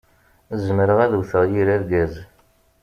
Zemreɣ ad wwteɣ yir argaz.